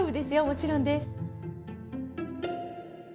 もちろんです。